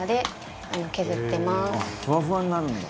「ふわふわになるんだ」